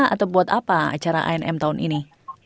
atau buat apa acara a m tahun ini